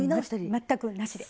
全くなしで。